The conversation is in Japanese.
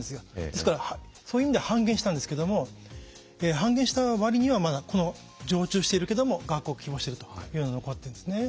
ですからそういう意味では半減したんですけども半減した割にはまだ常駐しているけども学校を希望してるというのが残ってるんですね。